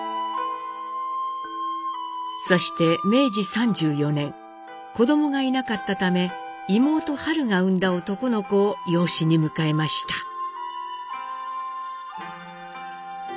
そして明治３４年子どもがいなかったため妹ハルが生んだ男の子を養子に迎えました。